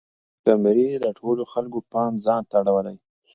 کمرې د ټولو خلکو پام ځان ته اړولی.